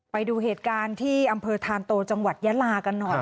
ไปดูเหตุการณ์ที่อำเภอธานโตจังหวัดยาลากันหน่อย